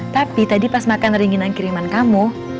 tapi tadi pas makan ringinan kiriman kamu